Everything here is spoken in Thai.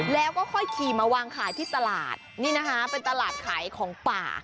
แล้วก็ค่อยขี่มาวางขายที่ตลาดนี่นะคะเป็นตลาดขายของป่า